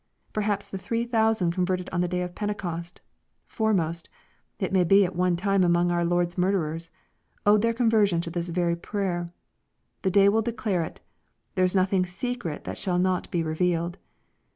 Perhaps the three thousand converted on the day of Pentecost, foremost, it may be at one time among our Lord's murderers, owed their conversion to this very prayer. — The day will declare it. There is nothing secret that shall not be revealed.